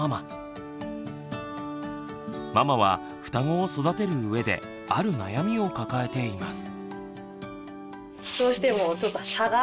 ママはふたごを育てるうえである悩みを抱えています。